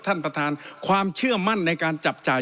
ชี้กับท่านความเชื่อมั่นในการจับจ่าย